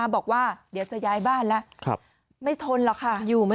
บอกว่าเดี๋ยวจะย้ายบ้านแล้วไม่ทนหรอกค่ะ